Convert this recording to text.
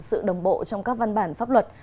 sự đồng bộ trong các văn bản pháp luật